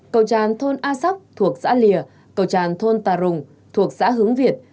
cầu tràn thôn a sắc thuộc xã lìa cầu tràn thôn tà rùng thuộc xã hướng việt